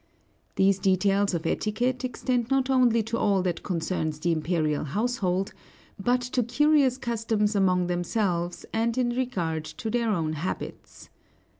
These details of etiquette extend not only to all that concerns the imperial household, but to curious customs among themselves, and in regard to their own habits.